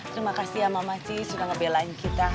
terima kasih ya mama ci sudah ngebelain kita